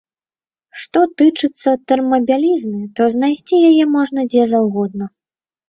Што тычыцца тэрмабялізны, то знайсці яе можна дзе заўгодна.